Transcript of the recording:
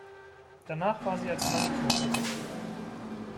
Danach war sie als Mannequin tätig.